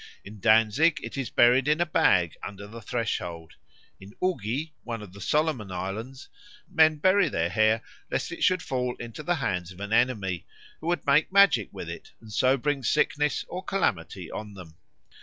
In Danzig it is buried in a bag under the threshold. In Ugi, one of the Solomon Islands, men bury their hair lest it should fall into the hands of an enemy, who would make magic with it and so bring sickness or calamity on them.